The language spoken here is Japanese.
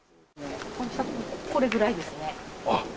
これくらいですね。